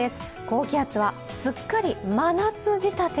高気圧はすっかり真夏仕立て。